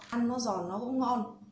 ăn nó giòn nó cũng ngon